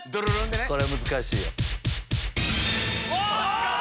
これ難しいよ。お！